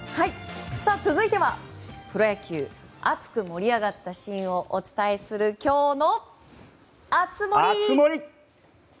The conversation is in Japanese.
続いてはプロ野球熱く盛り上がったシーンをお伝えするきょうの熱盛！